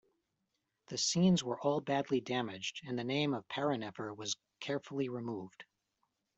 The scenes were all badly damaged and the name of Parennefer was carefully removed.